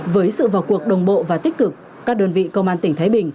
với sự vào cuộc đồng bộ và tích cực các đơn vị công an tỉnh thái bình